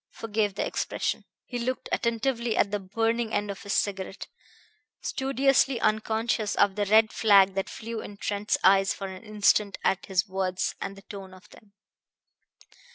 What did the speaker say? Forgive the expression." He looked attentively at the burning end of his cigarette, studiously unconscious of the red flag that flew in Trent's eyes for an instant at his words and the tone of them.